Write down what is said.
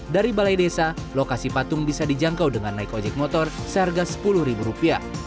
dari balai desa lokasi patung bisa dijangkau dengan naik ojek motor seharga rp sepuluh